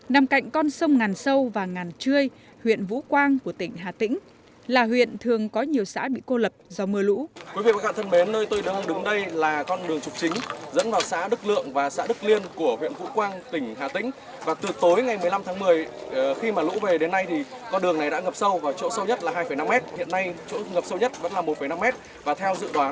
nằm cạnh con sông ngàn sâu và ngàn trươi huyện vũ quang của tỉnh hà tĩnh là huyện thường có nhiều xã bị cô lập do mưa lũ